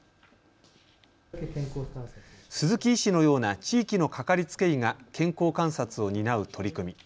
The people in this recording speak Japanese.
鈴木医師のような地域の掛かりつけ医が健康観察を担う取り組み。